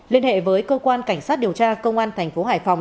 liên hệ với cơ quan cảnh sát điều tra công an tp hải phòng